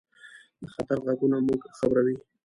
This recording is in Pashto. د خطر غږونه موږ خبروي.